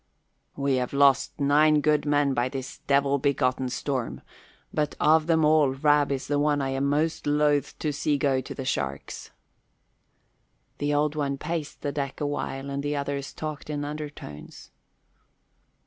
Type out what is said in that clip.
"We have lost nine good men by this devil begotten storm, but of them all Rab is the one I am most loath to see go to the sharks." The Old One paced the deck a while and the others talked in undertones.